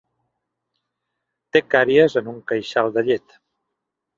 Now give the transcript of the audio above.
Té càries en un queixal de llet.